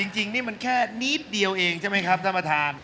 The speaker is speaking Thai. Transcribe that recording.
จริงนี่มันแค่นิดเดียวเองใช่ไหมครับท่านประธาน